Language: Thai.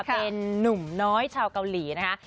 เป็นนุ่มน้อยชาวเกาหลีนะคะ